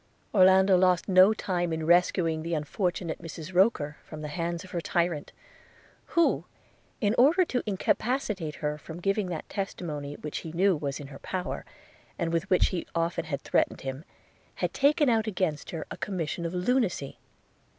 Orlando lost no time in rescuing the unfortunate Mrs Roker from the hands of her tyrant; who, in order to incapacitate her from giving that testimony which he knew was in her power, and with which she often had threatened him, had taken out against her a commission of lunacy.